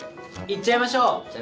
いっちゃいましょう！